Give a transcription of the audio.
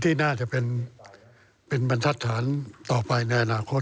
ที่น่าจะเป็นบรรทัศน์ต่อไปในอนาคต